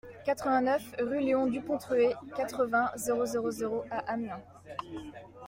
quatre-vingt-neuf rue Léon Dupontreué, quatre-vingts, zéro zéro zéro à Amiens